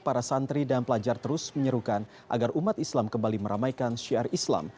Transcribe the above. para santri dan pelajar terus menyerukan agar umat islam kembali meramaikan syiar islam